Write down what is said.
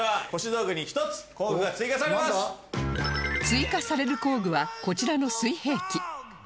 追加される工具はこちらの水平器